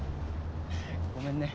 ごめんね。